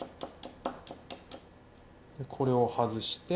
これを外して。